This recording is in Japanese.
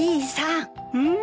うん？